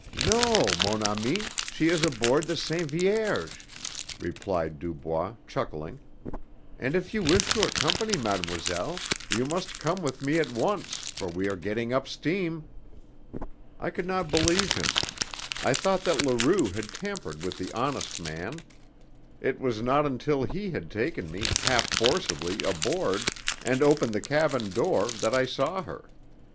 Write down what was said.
"No, mon ami. She is aboard the Sainte Vierge," replied Dubois, chuckling, "and if you wish to accompany mademoiselle you must come with me at once, for we are getting up steam." I could not believe him. I thought that Leroux had tampered with the honest man. It was not until he had taken me, half forcibly, aboard, and opened the cabin door, that I saw her.